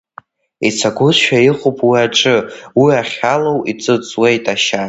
Ицагәызшәа иҟоуп уи аҿы, уи ахьалоу иҵыҵуеит ашьа.